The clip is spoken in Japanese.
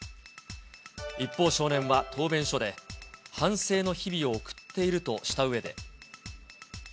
一方、少年は答弁書で、反省の日々を送っているとしたうえで。